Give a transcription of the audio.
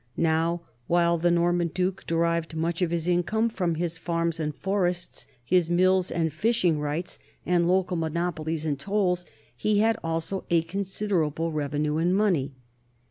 Now, while the Norman duke derived much of his income from his farms and forests, his mills and fishing rights and local monopolies and tolls, he had also a considerable revenue in money.